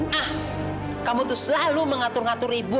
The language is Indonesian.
ah kamu tuh selalu mengatur ngatur ibu